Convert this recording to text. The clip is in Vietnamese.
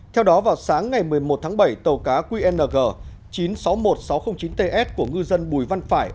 theo đó vào sáng ngày một mươi một tháng bảy tàu cá qng chín trăm sáu mươi một nghìn sáu trăm linh chín ts của ngư dân bùi văn phải